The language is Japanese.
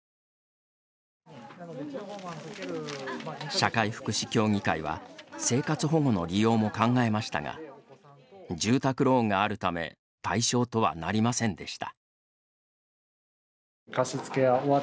社会福祉協議会は生活保護の利用も考えましたが住宅ローンがあるため対象とはなりませんでした。